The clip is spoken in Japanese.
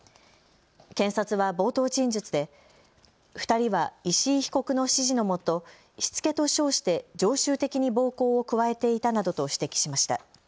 検察は冒頭陳述で２人は石井被告の指示のもとしつけと称して常習的に暴行を加えていたなどと指摘しました。